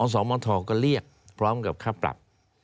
สมทก็เรียกพร้อมกับค่าปรับ